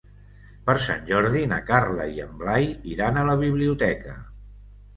Per Sant Jordi na Carla i en Blai iran a la biblioteca.